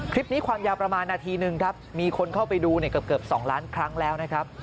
ความยาวประมาณนาทีนึงครับมีคนเข้าไปดูเกือบ๒ล้านครั้งแล้วนะครับ